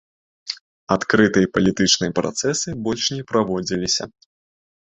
Адкрытыя палітычныя працэсы больш не праводзіліся.